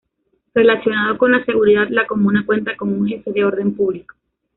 Relacionado con la seguridad la comuna cuenta con un Jefe de orden público.